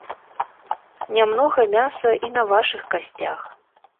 Не многа мяса і на вашых касцях.